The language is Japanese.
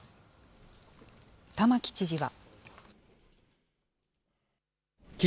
玉城知事は。